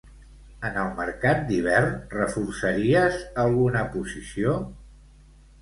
En el mercat d'hivern reforçaries alguna posició?